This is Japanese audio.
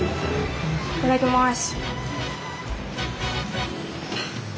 いただきます！